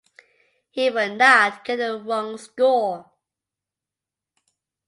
He will not get the wrong score.